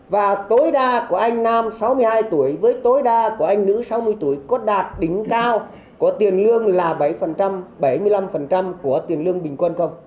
và tối đa của anh nam sáu mươi hai tuổi với tối đa của anh nữ sáu mươi tuổi có đạt đỉnh cao của tiền lương là bảy bảy mươi năm của tiền lương bình quân không